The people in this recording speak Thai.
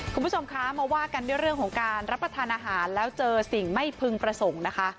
คุณผู้ชมคะมาว่ากันด้วยเรื่องของการรับประทานอาหารแล้วเจอสิ่งไม่พึงประสงค์นะคะ